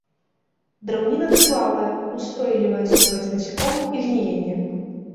Драўніна трывалая, устойлівая супраць насякомых і гніення.